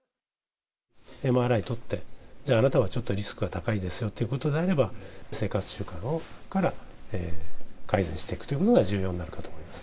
ＭＲＩ撮って、じゃあ、あなたはちょっとリスクが高いですよっていうことであれば、生活習慣から改善していくということが重要になるかと思います。